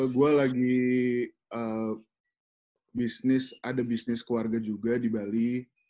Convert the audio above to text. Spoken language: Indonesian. gue lagi bisnis ada bisnis keluarga juga di bali